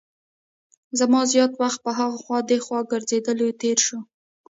زما زیات وخت په هاخوا دیخوا ګرځېدلو کې تېر شو.